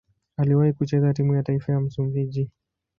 Aliwahi kucheza timu ya taifa ya Msumbiji.